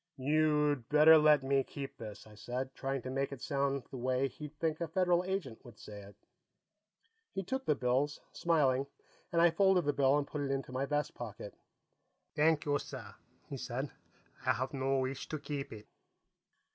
"You'd better let me keep this," I said, trying to make it sound the way he'd think a Federal Agent would say it. He took the bills, smiling, and I folded his bill and put it into my vest pocket. "Thank you, sir," he said. "I have no wish to keep it."